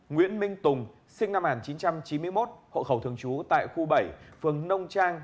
nguyễn minh tùng sinh năm một nghìn chín trăm chín mươi một hộ khẩu thường trú tại khu bảy phường nông trang